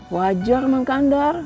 wajar mak kandar